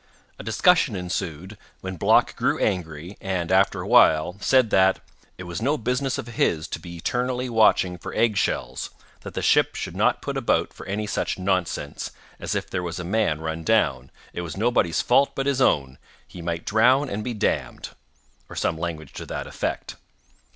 A discussion ensued, when Block grew angry, and, after a while, said that "it was no business of his to be eternally watching for egg shells; that the ship should not put about for any such nonsense; and if there was a man run down, it was nobody's fault but his own, he might drown and be dammed" or some language to that effect.